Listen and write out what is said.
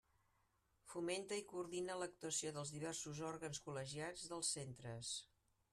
Fomenta i coordina l'actuació dels diversos òrgans col·legiats dels centres.